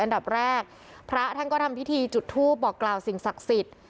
อันดับแรกพระท่านก็ทำพิธีจุดทูปบอกกล่าวสิ่งศักดิ์สิทธิ์